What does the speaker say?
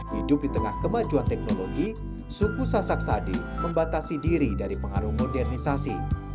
hidup di tengah kemajuan teknologi suku sasak sadi membatasi diri dari pengaruh modernisasi